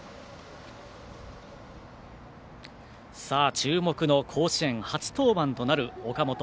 注目の甲子園初登板となる岡本。